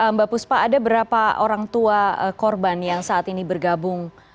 mbak puspa ada berapa orang tua korban yang saat ini bergabung